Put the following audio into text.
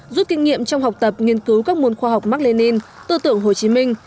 rút kinh nghiệm trong học tập nghiên cứu các môn khoa học mark lenin tư tưởng hồ chí minh